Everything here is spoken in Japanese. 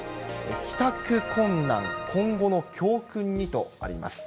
帰宅困難、今後の教訓にとあります。